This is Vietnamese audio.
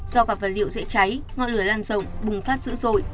do gặp vật liệu dễ cháy ngọn lửa lan rộng bùng phát dữ dội